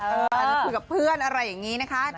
ดังนั้นคือกับเพื่อนอะไรอย่างนี้นะครับ